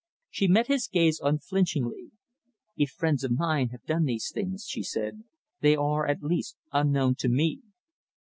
She met his gaze unflinchingly. "If friends of mine have done these things," she said, "they are at least unknown to me!"